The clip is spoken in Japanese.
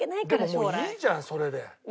でももういいじゃんそれで。